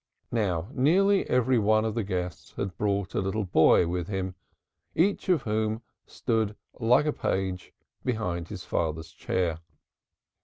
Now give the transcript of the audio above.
Now, nearly every one of the guests had brought a little boy with him, each of whom stood like a page behind his father's chair.